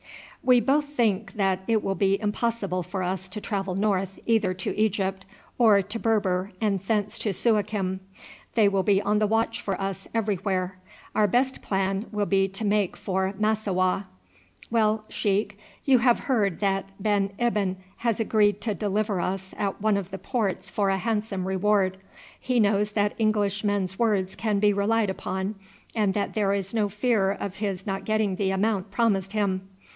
"We both think that it will be impossible for us to travel north either to Egypt, or to Berber and thence to Suakim. They will be on the watch for us everywhere. Our best plan will be to make for Massowah." "Well, sheik, you have heard that Ben Ibyn has agreed to deliver us at one of the ports for a handsome reward. He knows that Englishmen's words can be relied upon, and that there is no fear of his not getting the amount promised him.